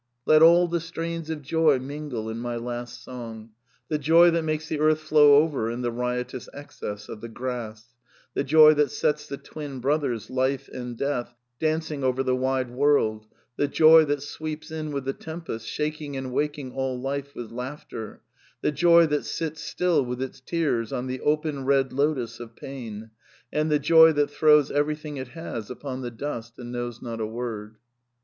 " Let all the strains of joy mingle in my last song — the joy that makes the earth flow over in the riotous excess of the grass, the joy that sets the twin brothers, life and death, dancing over the wide world, the joy that sweeps in with the tempest, shaking and waking all life with laughter, the joy that sits still with its tears on the open red lotus of pain, and the joy that throws everything it has upon the dust, and knows not a word."